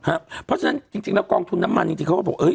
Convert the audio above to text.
ฮะเพราะฉะนั้นจริงจริงแล้วกองทุนน้ำมันจริงจริงเขาก็บอกเอ้ย